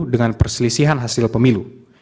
dengan perselisihan hasil pemilu